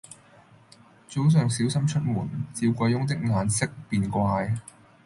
早上小心出門，趙貴翁的眼色便怪：